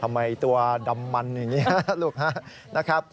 ทำไมตัวดำมันอย่างนี้ลูกนะครับ